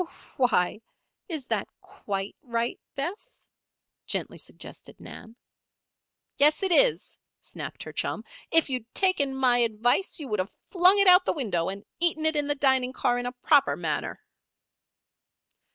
"Why Is that quite right, Bess?" gently suggested Nan. "Yes, it is!" snapped her chum. "If you had taken my advice you would have flung it out of the window and eaten in the dining car in a proper manner."